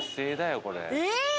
え！